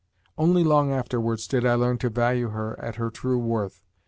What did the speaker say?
Only long afterwards did I learn to value her at her true worth.